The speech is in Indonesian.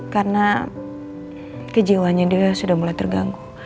karena kejiwanya dia sudah mulai terganggu